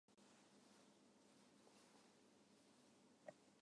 まこーらは強いです